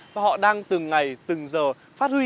và họ đang từng ngày từng giờ phát huy